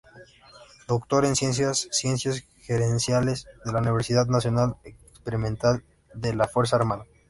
Doctor en Ciencias-Ciencias Gerenciales de la Universidad Nacional Experimental de la Fuerza Armada.